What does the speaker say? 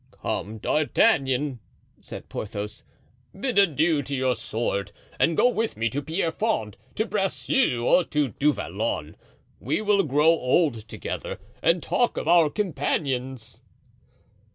"Come, D'Artagnan," said Porthos, "bid adieu to your sword and go with me to Pierrefonds, to Bracieux, or to Du Vallon. We will grow old together and talk of our companions."